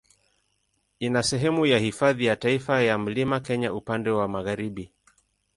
Ina sehemu ya Hifadhi ya Taifa ya Mlima Kenya upande wa magharibi.